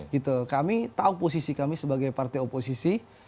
gitu kami tahu posisi kami sebagai partai oposisi